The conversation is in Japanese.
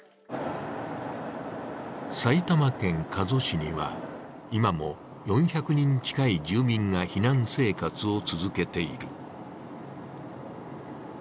埼玉県加須市には今も４００人近い住民が避難生活を続けている。